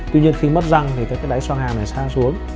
tuy nhiên khi mất răng thì các cái đáy xoang hàm này sang xuống